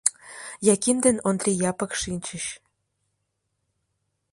Яким ден Ондри Япык шинчыч.